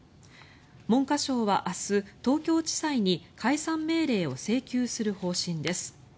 文科省は明日、東京地裁に解散命令を請求する方針です。